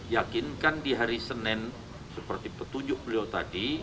yakinkan di hari senin seperti petunjuk beliau tadi